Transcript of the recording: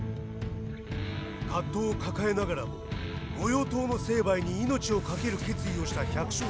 葛藤を抱えながらも御用盗の成敗に命をかける決意をした百姓たち。